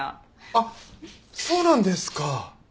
あっそうなんですか。